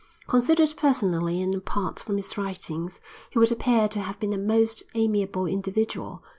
Considered personally and apart from his writings he would appear to have been a most amiable individual.